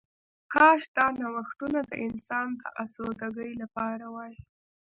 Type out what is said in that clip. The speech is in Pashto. کاش دا نوښتونه د انسان د آسوده ګۍ لپاره وای